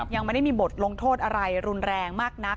ยังไม่ได้มีบทลงโทษอะไรรุนแรงมากนัก